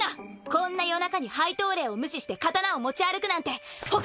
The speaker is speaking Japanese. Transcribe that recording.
こんな夜中に廃刀令を無視して刀を持ち歩くなんて他にない！